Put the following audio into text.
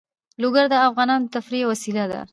لوگر د افغانانو د تفریح یوه وسیله ده.